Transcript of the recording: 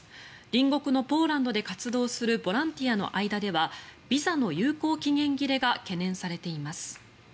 隣国のポーランドで活動するボランティアの間ではビザの有効期限切れが懸念されています。